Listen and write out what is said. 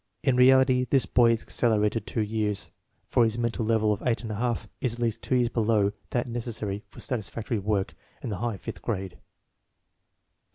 In reality this boy is accelerated two years, for his mental level of 8 J is at least two years below that neces sary for satisfactory work in the high fifth grade.